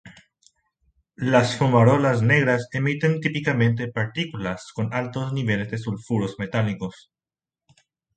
Las fumarolas negras emiten típicamente partículas con altos niveles de sulfuros metálicos.